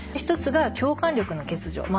１つが共感力の欠如。